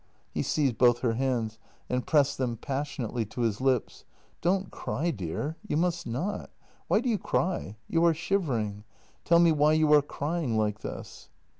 " He seized both her hands and pressed them passionately to his lips: " Don't cry, dear; you must not. Why do you cry? You are shivering — tell me why you are crying like this?